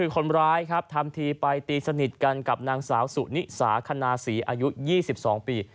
คนร้ายครับทำทีไปตีสนิทกันกับนางสาวสุนิสาคณาศรีอายุ๒๒ปี